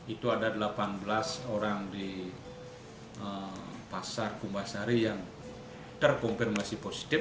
itu ada delapan belas orang di pasar kumbasari yang terkonfirmasi positif